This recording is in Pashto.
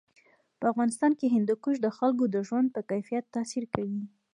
په افغانستان کې هندوکش د خلکو د ژوند په کیفیت تاثیر کوي.